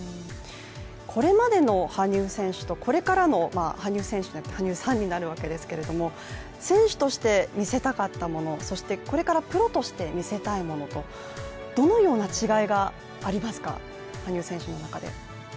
これまでの羽生選手と、これからの羽生選手、羽生さんになるわけですけれども、選手として見せたかったものそしてこれからプロとして見せたいものとどのような違いがありますか羽生選手の中で。